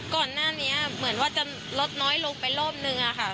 ก่อนหน้านี้เหมือนว่าจะลดน้อยลงไปรอบนึงอะค่ะ